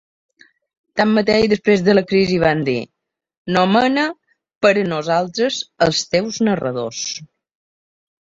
Tanmateix, després de la crisi van dir: "Nomena per a nosaltres els teus narradors.